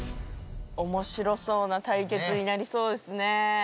おもしろそうな対決になりそうですね。